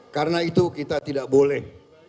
karena itu kita tidak boleh